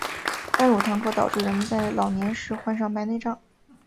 半乳糖可导致人们在老年时患上白内障。